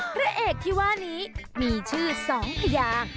พระเอกที่ว่านี้มีชื่อ๒พยาง